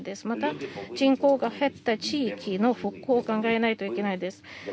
また、人口が減った地域の復興を考えなければいけないです。